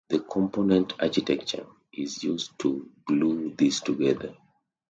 The component architecture is used to glue these together.